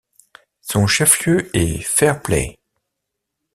Son chef-lieu est Fairplay.